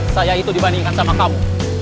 saya itu dibandingkan sama kamu